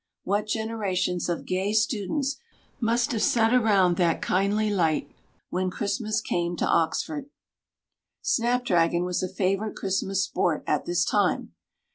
What generations of gay students must have sat around that kindly light when Christmas came to Oxford! Snap dragon was a favourite Christmas sport at this time.